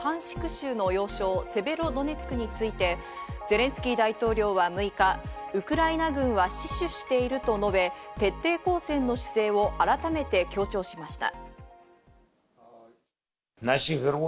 州の要衝セベロドネツクについて、ゼレンスキー大統領は６日、ウクライナ軍は死守していると述べ、徹底抗戦の姿勢を改めて強調しました。